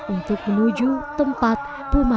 untuk menuju tempat pemakaman